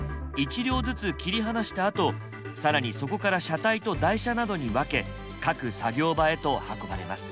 １両ずつ切り離したあと更にそこから車体と台車などに分け各作業場へと運ばれます。